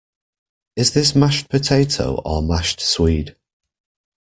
Is this mashed potato or mashed swede?